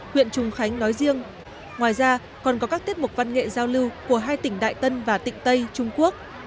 huyện trùng khánh nói riêng ngoài ra còn có các tiết mục văn nghệ giao lưu của hai tỉnh đại tân và tịnh tây trung quốc